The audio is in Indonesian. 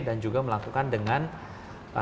dan juga melakukan dengan teman teman yang disajikan